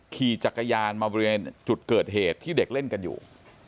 ขี่จักรยานมาบริเวณจุดเกิดเหตุที่เด็กเล่นกันอยู่